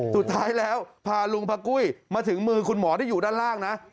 สุดท้ายแล้วพาลุงพระกุ้ยมาถึงมือคุณหมอที่อยู่ด้านล่างนะ